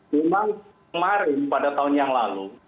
memang kemarin pada tahun yang lalu